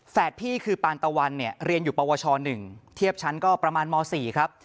พี่คือปานตะวันเนี่ยเรียนอยู่ปวช๑เทียบชั้นก็ประมาณม๔ครับ